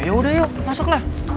yaudah yuk masuklah